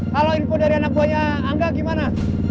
kalau info dari anak buahnya angga gimana